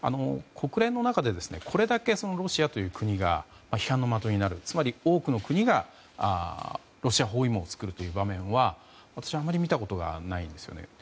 国連の中でこれだけロシアという国が批判の的になるつまり多くの国がロシア包囲網を作るという場面は私はあまり見たことがないんですよね。